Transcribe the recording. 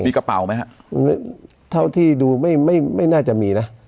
มีกระเป๋าไหมฮะเท่าที่ดูไม่ไม่น่าจะมีนะ